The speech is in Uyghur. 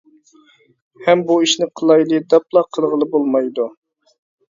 ھەم بۇ ئىشنى قىلايلى دەپلا قىلغىلى بولمايدۇ.